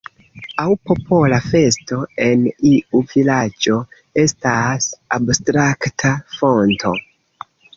Aŭ popola festo en iu vilaĝo estas abstrakta fonto.